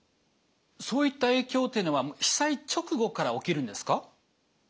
そういった影響っていうのは被災直後から起きるんですか？